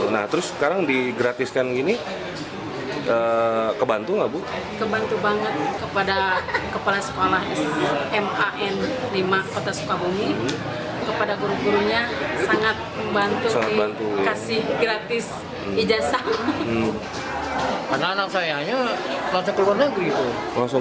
nah terus sekarang di gratiskan gini kebantu ngebantu banget kepada kepala sekolah sma n